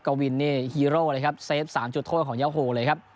กวินนี่ฮีโร่เลยครับเซฟ๓จุดโทษของยาโฮเลยครับ